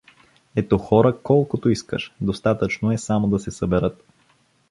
Ето, хора, колкото искаш, достатъчно е само да се съберат.